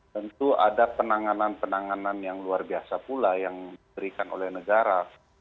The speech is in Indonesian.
tentu ada penanganan penanganan yang luar biasa pula yang diberikan oleh negara